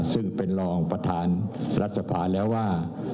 ซึ่งเป็นรองประธานรัฐสภาแล้วว่า